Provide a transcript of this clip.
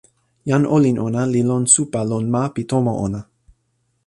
jan olin ona li lon supa lon ma pi tomo ona.